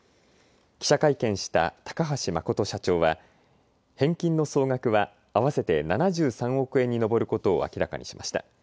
記者会見した高橋誠社長は返金の総額は合わせて７３億円に上ることを明らかにしました。